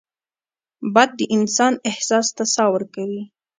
باد د انسان احساس ته ساه ورکوي